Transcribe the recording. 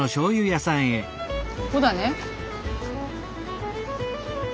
ここだね。